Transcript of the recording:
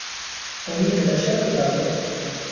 امید بشر به بقا